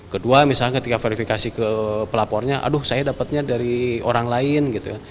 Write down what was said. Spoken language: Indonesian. kedua misalnya ketika verifikasi ke pelapornya aduh saya dapatnya dari orang lain gitu ya